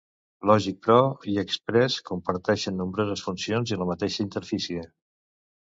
Logic Pro i Express comparteixen nombroses funcions i la mateixa interfície.